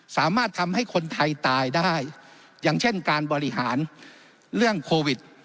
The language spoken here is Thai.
สามารถทำให้คนไทยตายได้อย่างเช่นการบริหารเรื่องโควิด